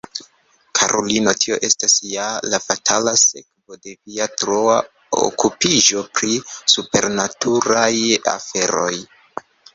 karulino, tio estas ja la fatala sekvo de via troa okupiĝo pri supernaturaj aferoj.